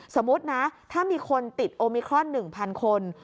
สมมุตินะถ้ามีคนติดโอมิครอน๑๐๐คน